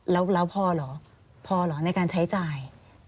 แล้วพอเหรอพอเหรอในการใช้จ่าย